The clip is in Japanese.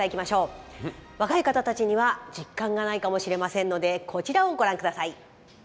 若い方たちには実感がないかもしれませんのでこちらをご覧ください。